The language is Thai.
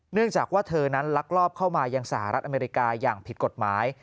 เนื่องจากว่าเธอนั้นลักลอบเข้ามายังสหรัฐอเมริกาอย่างผิดกฎหมาย